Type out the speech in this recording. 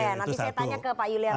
oke nanti saya tanya ke pak yulianto ya